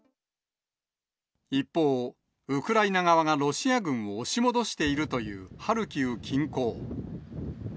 一方、ウクライナ側がロシア軍を押し戻しているというハルキウ近郊。